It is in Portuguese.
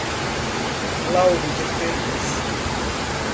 Lauro de Freitas